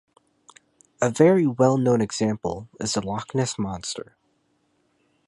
A very well-known example is the Loch Ness Monster.